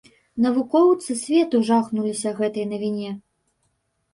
Навукоўцы свету жахнуліся гэтай навіне.